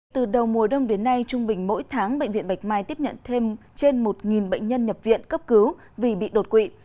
từ đầu mùa đông đến nay trung bình mỗi tháng bệnh viện bạch mai tiếp nhận thêm trên một bệnh nhân nhập viện cấp cứu vì bị đột quỵ